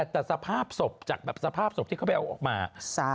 แต่สภาพศพจากแบบสภาพศพที่เขาไปเอาออกมา